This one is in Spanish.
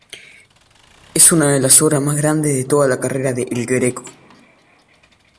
Es una de las obras más grandes de toda la carrera de El Greco.